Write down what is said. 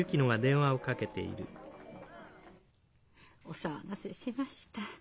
お騒がせしました。